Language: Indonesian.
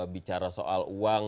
bicara soal uang